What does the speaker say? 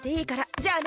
じゃあね！